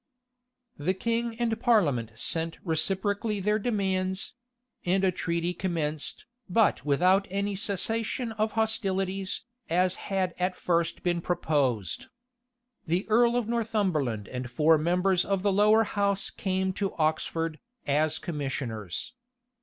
{1643.} The king and parliament sent reciprocally their demands; and a treaty commenced, but without any cessation of hostilities, as had at first been proposed. The earl of Northumberland and four members of the lower house came to Oxford, as commissioners.